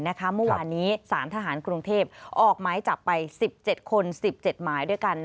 เมื่อวานนี้สารทหารกรุงเทพออกหมายจับไป๑๗คน๑๗หมายด้วยกัน